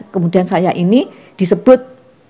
kemudian saya ini disebut